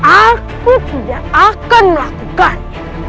aku tidak akan melakukannya